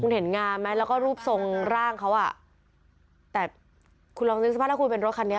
เห็นงามไหมแล้วก็รูปทรงร่างเขาอ่ะแต่คุณลองนึกสภาพถ้าคุณเป็นรถคันนี้